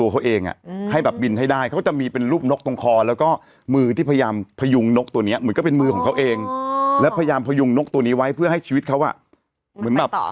เขาจะมีเป็นรูปนกตรงคอแล้วก็มือที่พยายามพยุงนกตัวเงี้ยเหมือนก็เป็นมือของเขาเองและพยายามพยุงนกตัวเองไว้เพื่อให้ชีวิตเขาหนัก